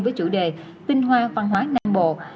với chủ đề tinh hoa văn hóa nam bộ